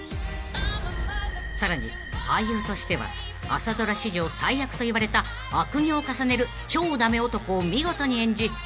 ［さらに俳優としては朝ドラ史上最悪といわれた悪行を重ねる超ダメ男を見事に演じ話題に］